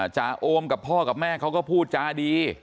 จ่าโอมกับพ่อกับแม่เขาก็พูดจาดี